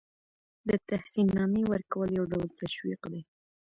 د تحسین نامې ورکول یو ډول تشویق دی.